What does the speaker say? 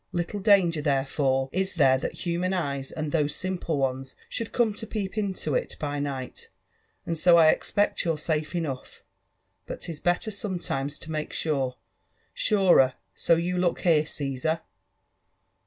Lillle danger* Iher^fore^ ia there that human eyes, and those simple ones, should oome to peep into it by night, — and so I expect you're safe enough. But 'tig better sometimes to make sure, surer; so look you here, Caesar."